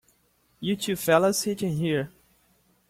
You two fellas sit in here.